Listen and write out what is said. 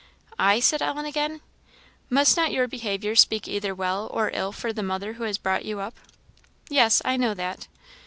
"I!" said Ellen, again. "Must not your behaviour speak either well or ill for the mother who has brought you up?" "Yes, I know that."